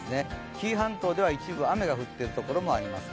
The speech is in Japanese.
紀伊半島では一部、雨が降っているところもあります。